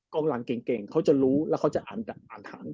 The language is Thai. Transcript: กลางหลังเก่งเขาจะรู้แล้วเขาจะอ่านทัน